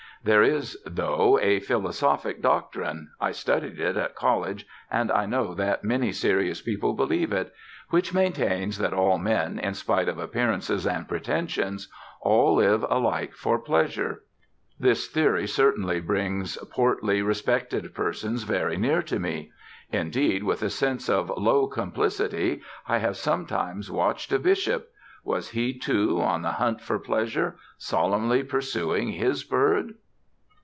There is though a Philosophic Doctrine I studied it at College, and I know that many serious people believe it which maintains that all men, in spite of appearances and pretensions, all live alike for Pleasure. This theory certainly brings portly, respected persons very near to me. Indeed, with a sense of low complicity, I have sometimes watched a Bishop. Was he, too, on the hunt for Pleasure, solemnly pursuing his Bird?